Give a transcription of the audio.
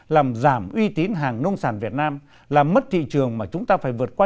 làm giảm uy tín hàng nông sản việt nam làm mất thị trường mà chúng ta phải vượt qua